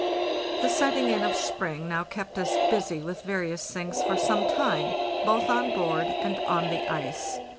The setting in of spring now kept us busy with various things for some time, both on board and on the ice.